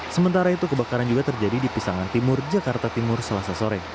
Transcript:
sementara itu kebakaran juga terjadi di pisangan timur jakarta timur selasa sore